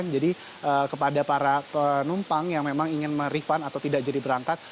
jadi kepada para penumpang yang memang ingin merifan atau tidak jadi berangkat